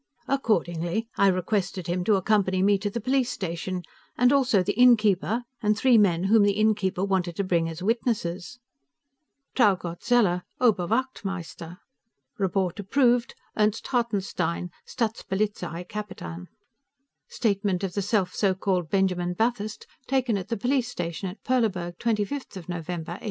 Accordingly, I requested him to accompany me to the police station, and also the innkeeper, and three men whom the innkeeper wanted to bring as witnesses. Traugott Zeller Oberwachtmeister Report approved, Ernst Hartenstein Staatspolizeikapitan (Statement of the self so called Benjamin Bathurst, taken at the police station at Perleburg, 25 November, 1809.)